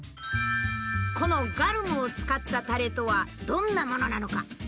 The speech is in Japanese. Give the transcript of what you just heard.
このガルムを使ったタレとはどんなものなのか。